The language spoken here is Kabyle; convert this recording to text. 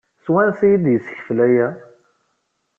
Seg wansi ay d-yessekfel aya?